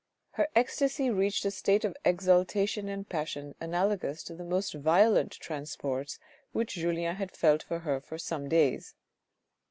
Her ecstasy reached a state of" exultation and passion analogous to the most violent transports which Julien had felt for her for some days.